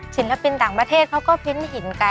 ศิลปินต่างประเทศเขาก็เพ้นหินกัน